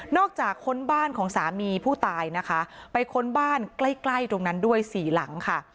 จากค้นบ้านของสามีผู้ตายนะคะไปค้นบ้านใกล้ใกล้ตรงนั้นด้วยสี่หลังค่ะ